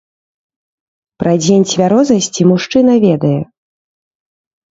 Пра дзень цвярозасці мужчына ведае.